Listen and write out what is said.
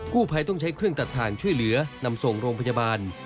ผู้ภัยต้องใช้เครื่องตัดทางช่วยเหลือนำส่งโรงพยาบาล